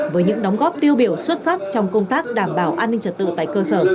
với những đóng góp tiêu biểu xuất sắc trong công tác đảm bảo an ninh trật tự tại cơ sở